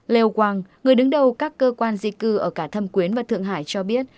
lê quang người đứng đầu các cơ quan di cư ở cả thâm quyến và thượng hải cho biết